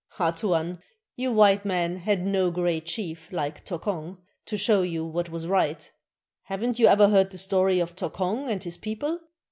"Ah, Tuan, you white men had no great chief, like Tokong, to show you what was right; have n't you ever heard the story of Tokong and his people?